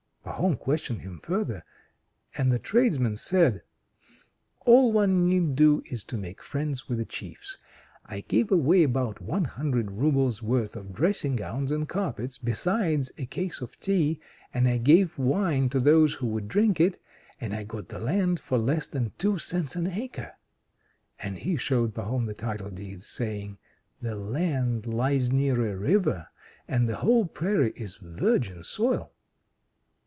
Pahom questioned him further, and the tradesman said: "All one need do is to make friends with the chiefs. I gave away about one hundred roubles' worth of dressing gowns and carpets, besides a case of tea, and I gave wine to those who would drink it; and I got the land for less than two cents an acre. And he showed Pahom the title deeds, saying: "The land lies near a river, and the whole prairie is virgin soil."